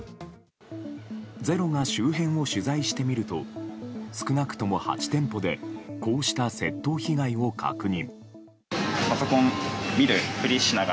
「ｚｅｒｏ」が周辺を取材してみると少なくとも８店舗でこうした窃盗被害を確認。